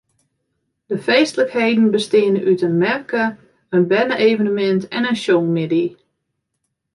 De feestlikheden besteane út in merke, in berne-evenemint en in sjongmiddei.